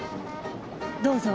どうぞ。